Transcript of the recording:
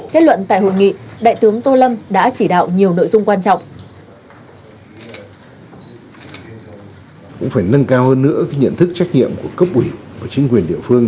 kết luận tại hội nghị đại tướng tô lâm đã chỉ đạo nhiều nội dung quan trọng